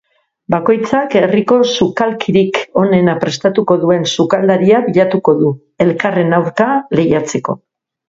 Bakoitzak herriko sukalkirik onena prestatuko duen sukaldaria bilatuko du, elkarren aurka lehiatzeko.